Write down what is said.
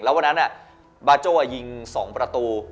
แล้ววันนั้นอ่ะบาโจยิงสองประตู